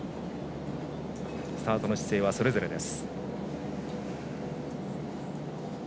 スタートの姿勢はそれぞれです。